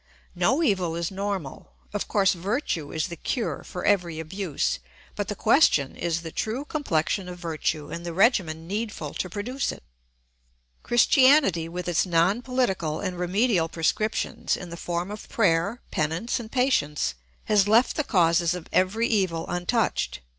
No evil is normal. Of course virtue is the cure for every abuse; but the question is the true complexion of virtue and the regimen needful to produce it. Christianity, with its non political and remedial prescriptions, in the form of prayer, penance, and patience, has left the causes of every evil untouched.